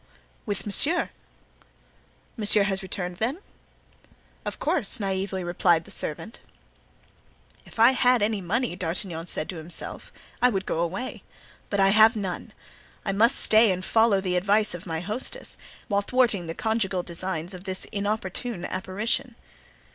"With monsieur." "Monsieur has returned, then?" "Of course," naively replied the servant. "If I had any money," said D'Artagnan to himself, "I would go away; but I have none. I must stay and follow the advice of my hostess, while thwarting the conjugal designs of this inopportune apparition."